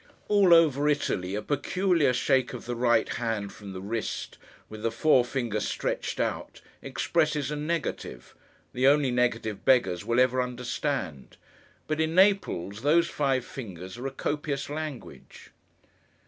All over Italy, a peculiar shake of the right hand from the wrist, with the forefinger stretched out, expresses a negative—the only negative beggars will ever understand. But, in Naples, those five fingers are a copious language.